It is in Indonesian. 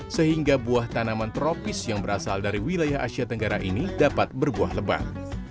sehingga buah tanaman tropis yang berasal dari wilayah asia tenggara ini dapat berbuah lebat